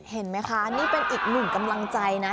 เห็นไหมคะนี่เป็นอีกหนึ่งกำลังใจนะ